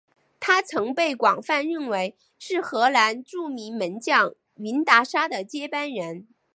他曾被广泛认为是荷兰著名门将云达沙的接班人。